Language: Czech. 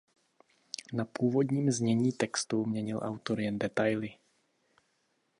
Na původním znění textů měnil autor jen detaily.